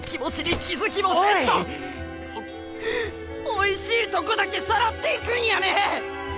おいしいとこだけさらっていくんやね！